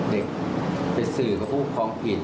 เด็กไปสื่อกับผู้ครองผิด